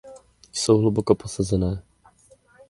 Jsou hluboko posazené.